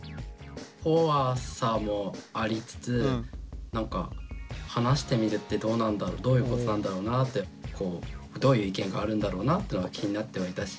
怖さもありつつなんか話してみるってどうなんだろうどういうことなんだろうなってどういう意見があるんだろうなっていうのは気になってはいたし。